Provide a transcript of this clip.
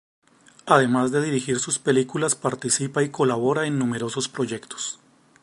Además de dirigir sus películas, participa y colabora en numerosos proyectos.